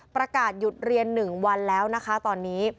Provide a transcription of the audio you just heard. ประกาศหยุดเรียน๑วันแล้วนะคะตอนนี้